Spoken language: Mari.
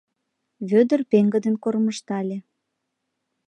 Вӧдыр пеҥгыдын кормыжтале.